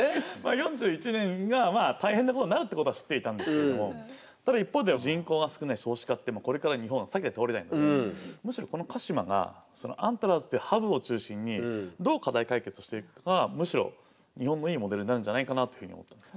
４１年がまあ大変なことになるってことは知っていたんですけれどもただ一方では人口が少ない少子化ってこれから日本は避けて通れないのでむしろこのカシマがアントラーズっていうハブを中心にどう課題解決をしていくかがむしろ日本のいいモデルになるんじゃないかなっていうふうに思ってます。